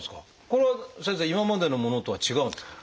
これは先生今までのものとは違うんですか？